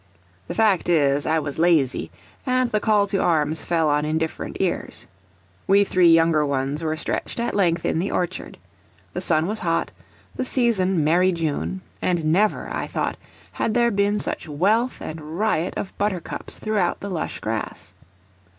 The fact is, I was lazy, and the call to arms fell on indifferent ears. We three younger ones were stretched at length in the orchard. The sun was hot, the season merry June, and never (I thought) had there been such wealth and riot of buttercups throughout the lush grass.